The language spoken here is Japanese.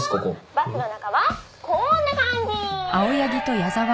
「バスの中はこんな感じ！」